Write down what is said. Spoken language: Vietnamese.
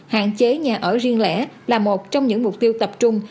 hạn chế nhà ở riêng lẻ là một trong những mục tiêu tập trung